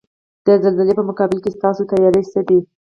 د زلزلې په مقابل کې ستاسو تیاری څه دی؟